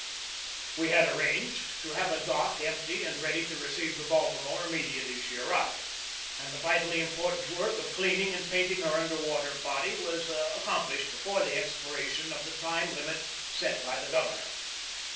We had arranged to have a dock empty and ready to receive the Baltimore immediately she ar rived, and the vitally important work of cleaning and painting her under water body was accomplished before the expiration of the time limit set by the governor.